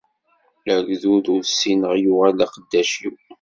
Agdud ur ssineɣ yuɣal d aqeddac-iw.